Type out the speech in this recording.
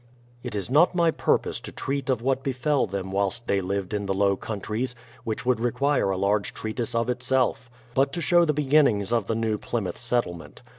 It is not my purpose to treat of what befell them whilst they lived in the Low Countries, — which would require a large treatise of itself, — but to show the beginnings of the THE PLYMOUTH SETTLEMENT I'rl New Plymouth Settlement.